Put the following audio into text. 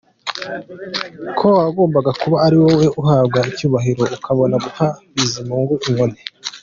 Ko wagombaga kuba ari wowe uhabwa icyubahiro ukabona guha Bizimungu inkoni?!